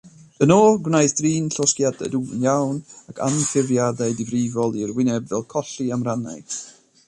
Yno, gwnaeth drin llosgiadau dwfn iawn ac anffurfiadau difrifol i'r wyneb fel colli amrannau.